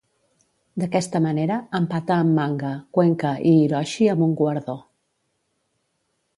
D'aquesta manera, empata amb Manga, Cuenca i Hiroshi amb un guardó.